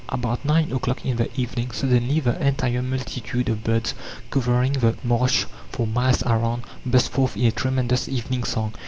About nine o'clock in the evening, "suddenly the entire multitude of birds covering the marsh for miles around burst forth in a tremendous evening song....